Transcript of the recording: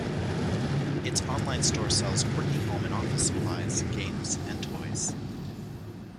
Its online store sells quirky home and office supplies, games and toys.